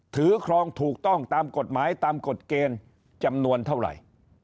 ครองถูกต้องตามกฎหมายตามกฎเกณฑ์จำนวนเท่าไหร่